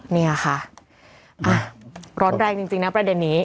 เนี่ยค่ะร้อนแรงจริงนะประเด็นนี้